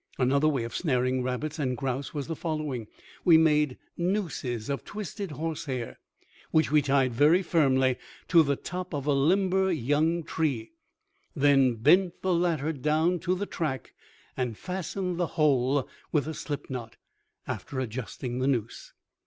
Another way of snaring rabbits and grouse was the following: We made nooses of twisted horse hair, which we tied very firmly to the top of a limber young tree, then bent the latter down to the track and fastened the whole with a slip knot, after adjusting the noose.